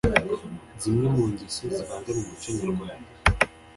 zimwe mu ngeso zibangamiye umuco nyarwanda